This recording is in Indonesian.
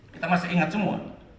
kita masih ingat semua